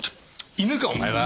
犬かお前は！